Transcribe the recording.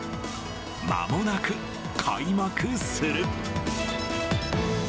まもなく開幕する。